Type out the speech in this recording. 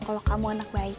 kalau kamu anak baik